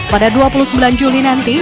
pada dua puluh sembilan juli nanti